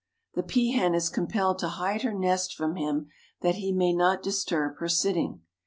The peahen is compelled to hide her nest from him that he may not disturb her sitting.